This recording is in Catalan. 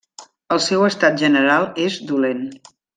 El seu estat general és dolent.